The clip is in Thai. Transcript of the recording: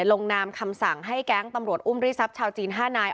ลงนามคำสั่งให้แก๊งตำรวจอุ้มรีทรัพย์ชาวจีน๕นาย